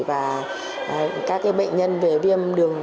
và các bệnh nhân về viêm phổi